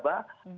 dan atau lupa